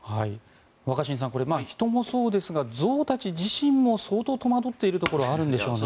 若新さん人もそうですが、象たち自身も相当戸惑っているところもあるんでしょうね。